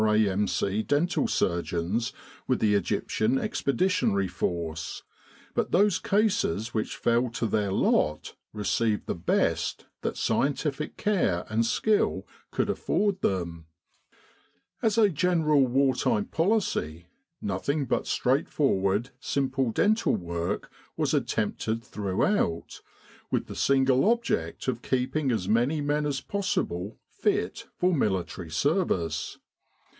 A.M.C. dental surgeons with the Egyptian Expeditionary Force ; but those cases which fell to their lot received the best that scientific care and skill could afford them As a ao6 Army Dental Surgery in Egypt general war time policy, nothing but straightforward, simple dental work was attempted throughout, with the single object of keeping as many men as possible fit for military service.